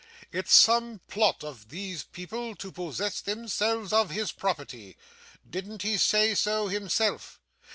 It's some plot of these people to possess themselves of his property didn't he say so himself?